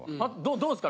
どうですか？